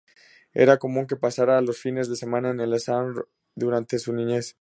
Era común que pasara los fines de semana en el ashram durante su niñez.